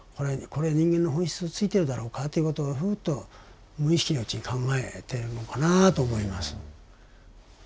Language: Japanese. これ人間の本質をついてるだろうかということをふっと無意識のうちに考えてるのかなと思います。